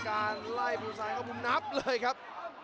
หัวจิตหัวใจแก่เกินร้อยครับ